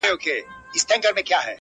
چي د پېزوان او د نتکۍ خبره ورانه سوله ,